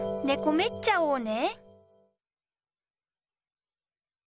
めっちゃおうね。